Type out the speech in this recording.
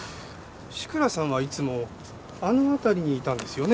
志倉さんはいつもあの辺りにいたんですよね？